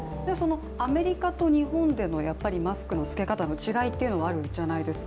アメリカと日本でのマスクの着け方の違いというのはあるじゃないですか。